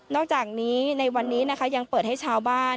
อกจากนี้ในวันนี้นะคะยังเปิดให้ชาวบ้าน